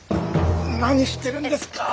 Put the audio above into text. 何してるんですか？